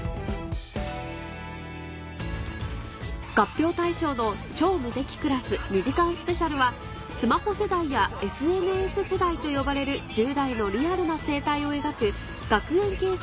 合評対象の『超無敵クラス２時間ＳＰ』はスマホ世代やＳＮＳ世代と呼ばれる１０代のリアルな生態を描く学園形式